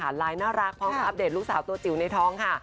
ไลน์น่ารักพร้อมกับอัปเดตลูกสาวตัวจิ๋วในท้องค่ะ